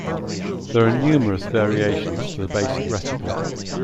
There are numerous variations to the basic recipe.